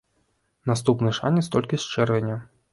Наступны шанец толькі з чэрвеня.